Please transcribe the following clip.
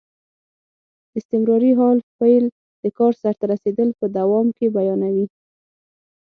استمراري حال فعل د کار سرته رسېدل په دوام کې بیانیوي.